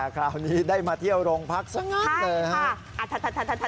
คราวนี้ได้มาเที่ยวโรงพักสังหรับใช่ค่ะ